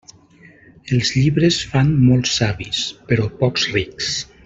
Els llibres fan molts savis, però pocs rics.